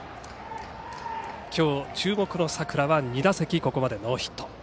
今日、注目の佐倉は２打席ここまでノーヒット。